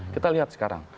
kita lihat sekarang